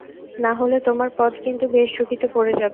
না হলে তোমার পদ কিন্তু বেশ ঝুঁকিতে পড়ে যাবে।